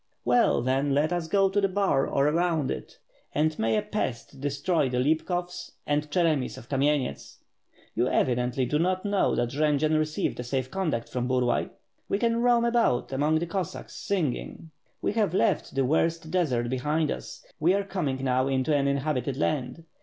"Well, then let us go to Bar or around it, and may a pest destroy the Lipkovs and Cheremis of Kamenets. You evi dently do not know that Jendzian received a safe conduct from Burlay? We can roam about among the Cossacks sing ing. We have left the worst desert behind us, we are coming now into an inhabitated land.